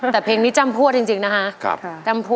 แต่เพลงนี้จำพวดจริงนะฮะ